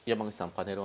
パネル